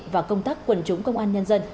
và công tác quần chúng công an nhân dân